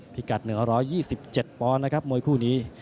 พิกัด๑๒๗ปอนด์นะครับมวยคู่นี้